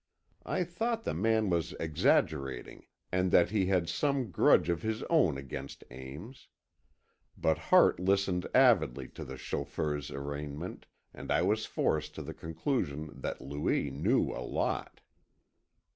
I thought the man was exaggerating, and that he had some grudge of his own against Ames. But Hart listened avidly to the chauffeur's arraignment, and I was forced to the conclusion that Louis knew a lot.